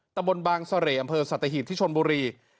ตะบนบางเศรษฐ์อำเภอสัตวิทย์ที่ชนบุรี